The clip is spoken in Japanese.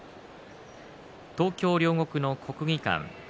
東京・両国の国技館。